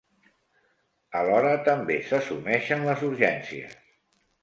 Alhora també s'assumeixen les urgències.